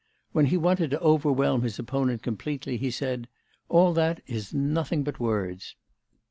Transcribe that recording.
When he wanted to overwhelm his opponent completely, he said: 'All that is nothing but words.